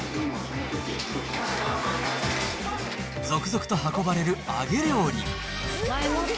続々と運ばれる揚げ料理。